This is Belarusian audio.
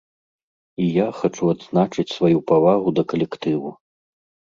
І я хачу адзначыць сваю павагу да калектыву.